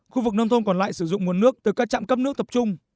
khu vực nông thôn còn lại sử dụng nguồn nước từ các trạm cấp nước tập trung